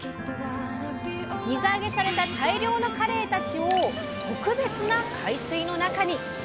水揚げされた大量のカレイたちを特別な海水の中に！